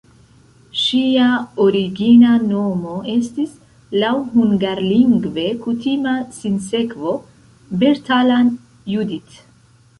Ŝia origina nomo estis (laŭ hungarlingve kutima sinsekvo) "Bertalan Judit".